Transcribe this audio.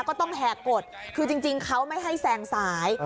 ก็ต้องแหกกดคือจริงเขาไม่ให้แซงซ้าย